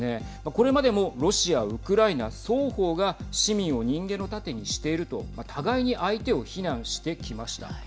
これまでもロシア、ウクライナ双方が市民を人間の盾にしていると互いに相手を非難してきました。